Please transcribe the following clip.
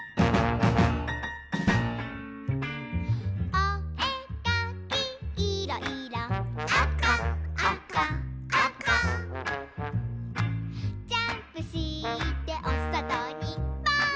「おえかきいろ・いろ」「あかあかあか」「ジャンプしておそとにぽーん！」